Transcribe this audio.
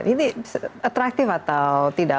ini atraktif atau tidak